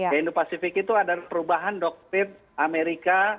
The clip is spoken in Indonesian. ke indo pasifik itu ada perubahan doktrit amerika